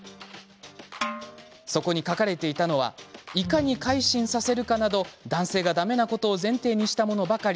そこに書かれていたのはいかに改心させるかなど男性がだめなことを前提にしたものばかり。